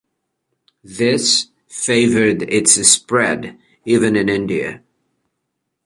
This favored its spread even in India.